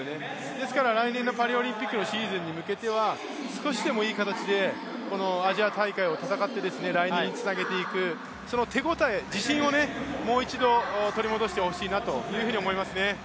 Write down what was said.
ですから来年のパリオリンピックのシーズンに向けては少しでもいい形で、このアジア大会を戦って来年につなげていく、その手応え、自信をもう一度取り戻してほしいと思いますね。